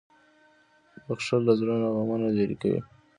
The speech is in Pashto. • بښل له زړه نه غمونه لېرې کوي.